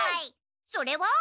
それは？